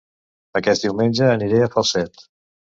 Aquest diumenge aniré a Falset